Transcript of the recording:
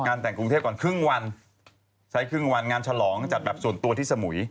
นั่นแต่งที่กรุงเทพครึ่งวันใช่ครึ่งวันงานชะหร้องจัดแบบส่วนตัวที่สมุย